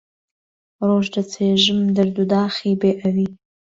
ڕۆژ دەچێژم دەرد و داخی بێ ئەوی